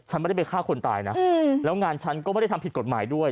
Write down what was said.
ไม่ได้ไปฆ่าคนตายนะแล้วงานฉันก็ไม่ได้ทำผิดกฎหมายด้วย